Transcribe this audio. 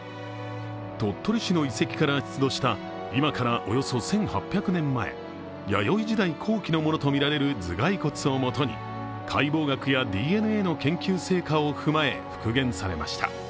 鳥取市の遺跡から出土した今からおよそ１８００年前、弥生時代後期のものとみられる頭蓋骨をもとに解剖学やＤＮＡの研究成果を踏まえ、復元されました。